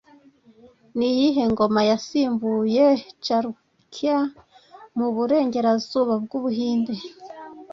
Niyihe ngoma yasimbuye Chalukya mu Burengerazuba bw'Ubuhinde